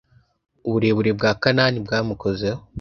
Uburebure bwa Kanani bwamukozeho